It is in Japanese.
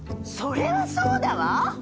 それはそうだわ。